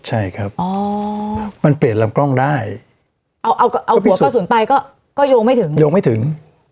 ใช่ครับอ๋อมันเปลี่ยนลำกล้องได้เอาเอาหัวกระสุนไปก็โยงไม่ถึงโยงไม่ถึง